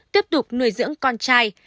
tiếp tục nuôi dưỡng con trai